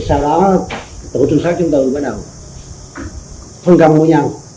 sau đó tổ chức xác chúng tôi bắt đầu phong công với nhau